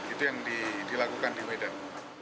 itu yang dilakukan di medan